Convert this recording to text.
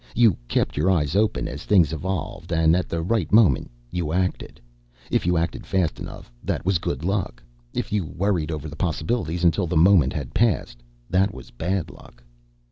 You kept your eyes open as things evolved and at the right moment you acted. If you acted fast enough, that was good luck. If you worried over the possibilities until the moment had passed, that was bad luck.